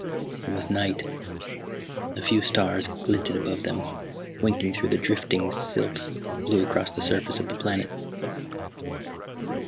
It was night. A few stars glinted above them, winking through the drifting silt that blew across the surface of the planet.